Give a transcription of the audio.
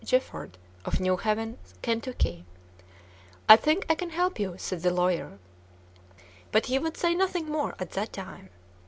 Gifford, of New Haven, Ct. "I think I can help you," said the lawyer. But he would say nothing more at that time.